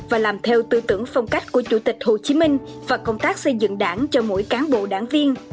và làm theo tư tưởng phong cách của chủ tịch hồ chí minh và công tác xây dựng đảng cho mỗi cán bộ đảng viên